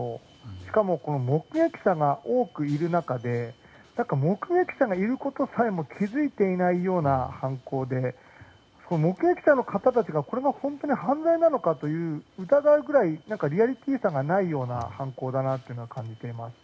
しかも、目撃者が多くいる中で何か、目撃者がいることさえも気づいていないような犯行で目撃者の方たちがこれは本当に犯罪なのかと疑うぐらいリアリティーがないくらいの犯行だなと感じています。